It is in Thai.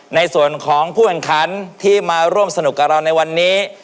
ในส่วนของผู้แข่งขันที่มาร่วมสนุกกับเราในวันนี้